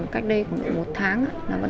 cách đây một tháng